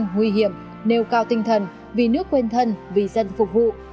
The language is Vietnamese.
nguy hiểm nêu cao tinh thần vì nước quên thân vì dân phục vụ